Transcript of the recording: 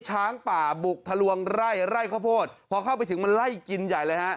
ช้างป่าบุกทะลวงไร่ไร่ข้าวโพดพอเข้าไปถึงมันไล่กินใหญ่เลยฮะ